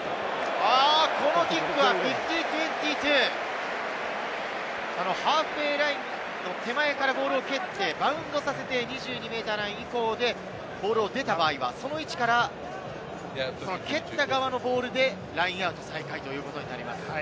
このキックは５０：２２、ハーフウェイラインの手前からボールを蹴って、バウンドさせて、２２ｍライン以降でボールが出た場合はその位置から蹴った側のボールでラインアウト再開ということになります。